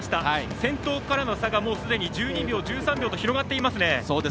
先頭からの差がもうすでに１２秒、１３秒と広がっていますね。